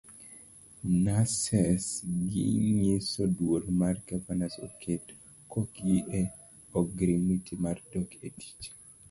Nurses ginyiso duol mar governors oket kokgi e ogirimiti mar dok etich.